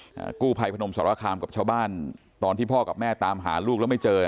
อ่ากู้ภัยพนมสารคามกับชาวบ้านตอนที่พ่อกับแม่ตามหาลูกแล้วไม่เจอ